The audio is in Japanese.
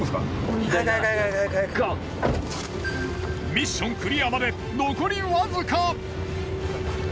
ミッションクリアまで残りわずか。